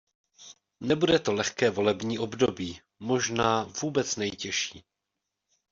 Nebude to lehké volební období - možná vůbec nejtěžší.